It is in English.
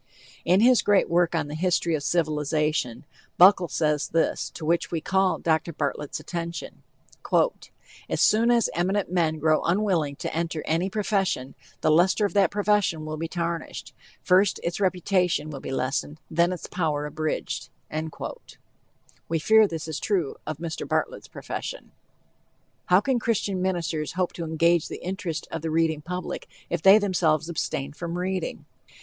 In his great work on the History of Civilization, Buckle says this, to which we call Dr. Bartlett's attention: "As soon as eminent men grown unwilling to enter any profession, the luster of that profession will be tarnished; first its reputation will be lessened, then its power abridged." We fear this is true of Mr. Bartlett's profession. How can Christian ministers hope to engage the interest of the reading public if they themselves abstain from reading?